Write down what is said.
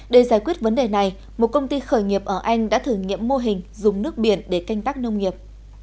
để giải quyết vấn đề này một công ty khởi nghiệp ở anh đã thử nghiệm mô hình dùng nước biển để canh tác nông nghiệp